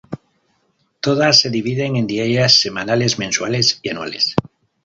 Todas se dividen en diarias, semanales, mensuales y anuales.